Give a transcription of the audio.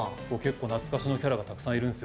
懐かしのキャラがたくさんいる。